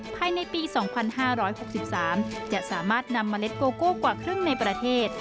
ภายในปี๒๕๖๓จะสามารถนำเมล็ดโกโก้กว่าครึ่งในประเทศ